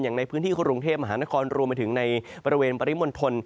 อย่างในพื้นที่กรุงเทพมหานครรวมไปถึงในบริเวณปริมณฑล